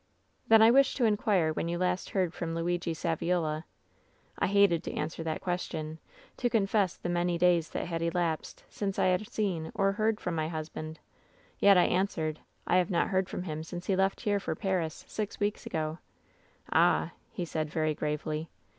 ^'' 'Then I wish to inquire when you last heard from Luigi Saviola.^ "I hated to answer that question — to confess the many days that had elapsed since I had seen or heard from my husband. Yet I answered :'^ 'I have not heard from him since he left here for Paris, six weeks ago.' " 'Ah !* he said, very gravely.